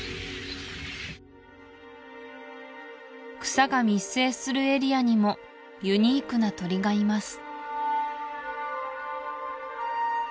草が密生するエリアにもユニークな鳥がいます